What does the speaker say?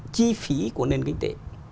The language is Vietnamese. chi phí của nền kinh tế